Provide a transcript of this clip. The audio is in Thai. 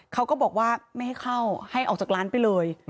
เขาก็บอกว่าไม่ให้เข้าให้ออกจากร้านไปเลย